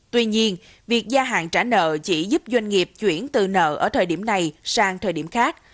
tuy nhiên việc gia hạn trả nợ chỉ giúp doanh nghiệp chuyển từ nợ ở thời điểm này sang thời điểm khác